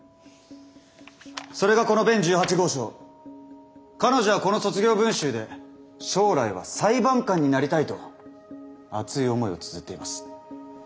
それがこの弁１８号証彼女はこの卒業文集で将来は裁判官になりたいと熱い思いをつづっています。